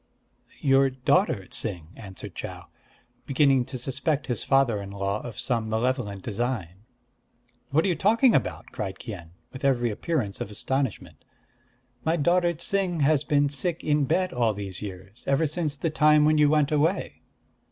"Your daughter Ts'ing," answered Chau, beginning to suspect his father in law of some malevolent design. "What are you talking about?" cried Kien, with every appearance of astonishment. "My daughter Ts'ing has been sick in bed all these years, ever since the time when you went away."